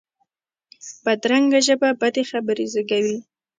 بدرنګه ژبه بدې خبرې زېږوي